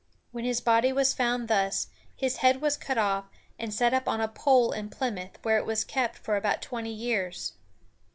When his body was found thus, his head was cut off, and set up on a pole in Plymouth, where it was kept for about twenty years.